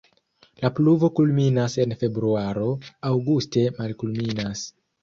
La pluvo kulminas en februaro, aŭguste malkulminas.